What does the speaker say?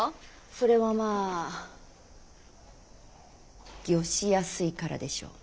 それはまあ御しやすいからでしょ。